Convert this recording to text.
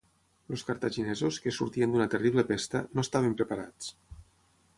Els cartaginesos, que sortien d'una terrible pesta, no estaven preparats.